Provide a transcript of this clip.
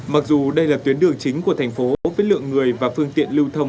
mặc dù đây là tuyến đường chính của thành phố với lượng người và phương tiện lưu thông